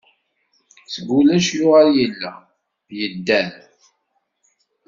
Seg ulac yuɣal yella, yedder.